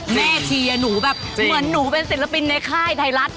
แม่เชียร์หนูแบบเหมือนหนูเป็นศิลปินในค่ายไทยรัฐ